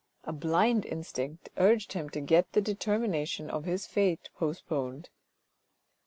A blind instinct urged him to get the determina tion of his fate postponed.